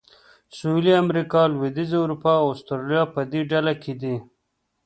سویلي امریکا، لوېدیځه اروپا او اسټرالیا په دې ډله کې دي.